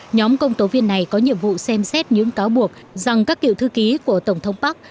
nhóm công tố viên này có nhiệm vụ xem xét những cáo buộc rằng các cựu thư ký của tổng thống park